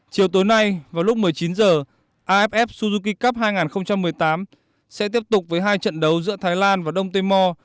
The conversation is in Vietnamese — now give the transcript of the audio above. chiều tối nay vào lúc một mươi chín h aff suzuki cup hai nghìn một mươi tám sẽ tiếp tục với hai trận đấu giữa thái lan và đông timor